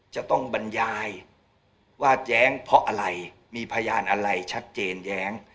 จะต้องบรรยายว่าแย้งเพราะอะไรมีพยานอะไรชัดเจนแย้ง